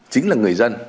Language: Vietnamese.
chính là người dân